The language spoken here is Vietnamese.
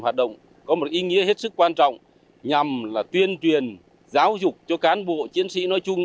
hoạt động có một ý nghĩa hết sức quan trọng nhằm là tuyên truyền giáo dục cho cán bộ chiến sĩ nói chung